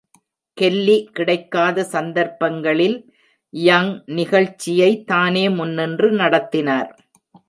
Kelly கிடைக்காத சந்தர்ப்பங்களில் Young நிகழ்ச்சியை தானே முன்னின்று நடத்தினார்.